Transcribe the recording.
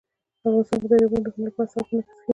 افغانستان کې دریابونه د هنر په اثار کې منعکس کېږي.